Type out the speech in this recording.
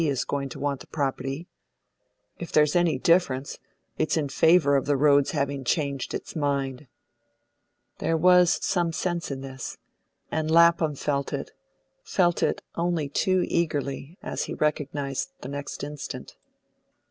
is going to want the property. If there's any difference, it's in favour of the Road's having changed its mind." There was some sense in this, and Lapham felt it felt it only too eagerly, as he recognised the next instant.